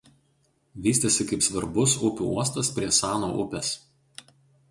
Vystėsi kaip svarbus upių uostas prie Sano upės.